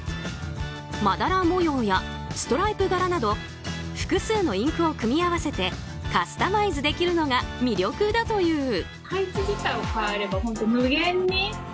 まだら模様やストライプ柄など複数のインクを組み合わせてカスタマイズできるのが魅力だという。